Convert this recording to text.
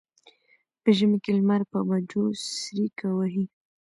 په ژمي کې لمر په بجو څریکه وهي.